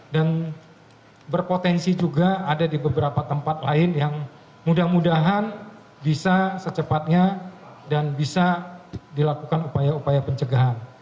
dan berpotensi juga ada di beberapa tempat lain yang mudah mudahan bisa secepatnya dan bisa dilakukan upaya upaya pencegahan